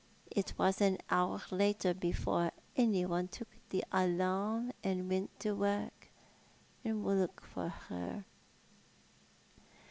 It was an hour later before any one 00k the alarm and went to look for her."